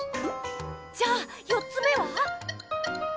じゃあ４つ目は。